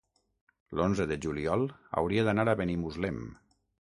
L'onze de juliol hauria d'anar a Benimuslem.